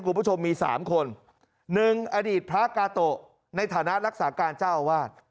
คุณผู้ชมมีสามคนหนึ่งอดีตพระกาโตะในฐานะรักษาการเจ้าอาวาส